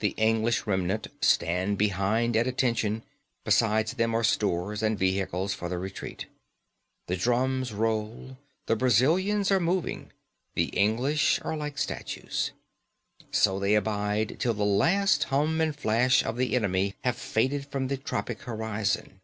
The English remnant stand behind at attention; beside them are stores and vehicles for the retreat. The drums roll; the Brazilians are moving; the English are still like statues. So they abide till the last hum and flash of the enemy have faded from the tropic horizon.